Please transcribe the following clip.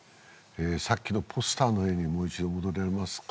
さっきのポスターの絵にもう一度戻れますか？